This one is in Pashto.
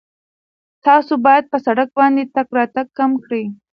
تاسو باید په سړک باندې تګ راتګ کم کړئ.